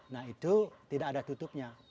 nah itu tidak ada tutupnya